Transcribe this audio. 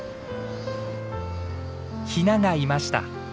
ヒナがいました。